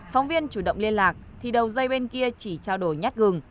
phóng viên chủ động liên lạc thì đầu dây bên kia chỉ trao đổi nhát gừng